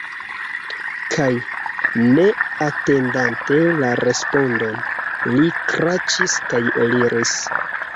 Kaj, ne atendante la respondon, li kraĉis kaj eliris.